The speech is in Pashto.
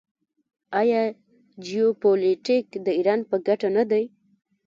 آیا جیوپولیټیک د ایران په ګټه نه دی؟